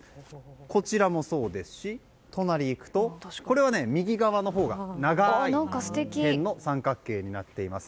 こちらもそうですし隣に行くと、これは右側のほうが長い辺の三角形になっています。